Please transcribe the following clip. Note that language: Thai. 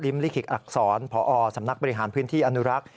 ลิขิกอักษรพอสำนักบริหารพื้นที่อนุรักษ์